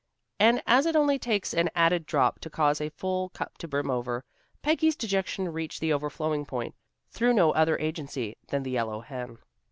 And as it only takes an added drop to cause a full cup to brim over, Peggy's dejection reached the overflowing point, through no other agency than the yellow hen.